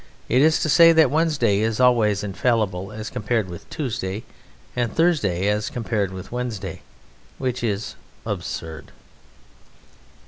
It is to say that Wednesday is always infallible as compared with Tuesday, and Thursday as compared with Wednesday, which is absurd.